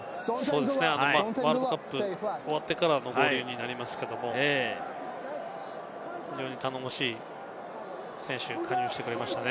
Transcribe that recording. ワールドカップが終わってからのゴールになりますけど非常に頼もしい選手、加入してくれましたね。